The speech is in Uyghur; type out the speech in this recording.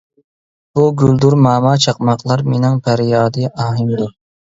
بۇ گۈلدۈرماما چاقماقلار مېنىڭ پەريادى ئاھىمدۇر.